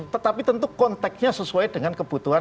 tetapi tentu konteknya sesuai dengan kebutuhan